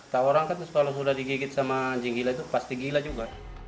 tau orang kan kalau sudah digigit sama anjing gila itu pasti gila juga